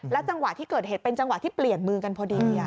จังหวะที่เกิดเหตุเป็นจังหวะที่เปลี่ยนมือกันพอดี